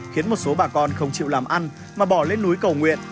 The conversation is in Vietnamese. khiến một số bà con không chịu làm ăn mà bỏ lên núi cầu nguyện